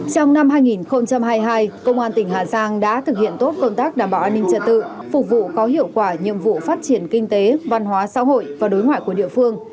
trong năm hai nghìn hai mươi hai công an tỉnh hà giang đã thực hiện tốt công tác đảm bảo an ninh trật tự phục vụ có hiệu quả nhiệm vụ phát triển kinh tế văn hóa xã hội và đối ngoại của địa phương